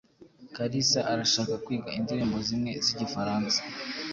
Kalisa arashaka kwiga indirimbo zimwe zigifaransa.